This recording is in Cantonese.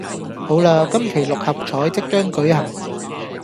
好喇今期六合彩即將舉行